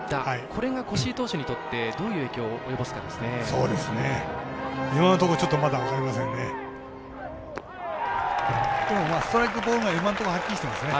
これが越井投手にとってどういう影響を及ぼすかでしょうね。